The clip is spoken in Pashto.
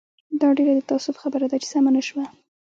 دا ډېر د تاسف خبره ده چې سمه نه شوه.